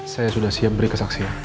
saya sudah siap beri kesaksian